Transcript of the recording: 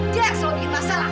dia yang seorang masalah